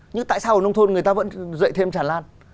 nhưng tại sao ở nông thôn người ta vẫn dậy thêm tràn lan